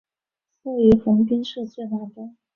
位于横滨市最南端。